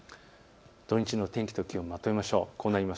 土日の天気と気温をまとめましょう。